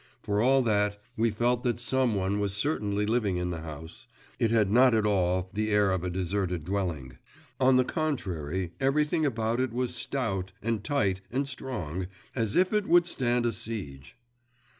For all that, we felt that some one was certainly living in the house; it had not at all the air of a deserted dwelling. On the contrary, everything about it was stout, and tight, and strong, as if it would stand a siege!